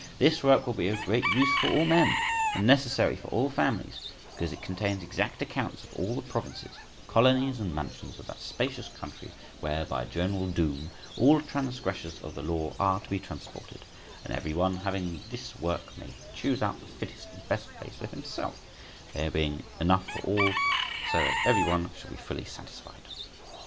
This work will be of great use for all men, and necessary for all families, because it contains exact accounts of all the provinces, colonies, and mansions of that spacious country, where, by a general doom, all transgressors of the law are to be transported; and every one having this work may choose out the fittest and best place for himself, there being enough for all, so as every one shall be fully satisfied.